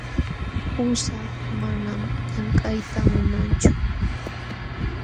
Qusaa manam llamkayta munanchu.